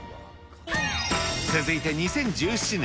続いて、２０１７年。